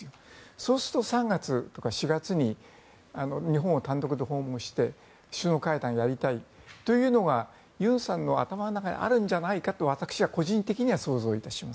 そうすると３月とか４月に日本を単独で訪問して首脳会談をやりたいというのが尹さんの頭の中にあるんじゃないかと私は個人的には想像します。